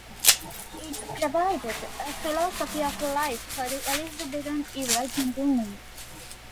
It provided a philosophy of life for the Elizabethan era gentleman.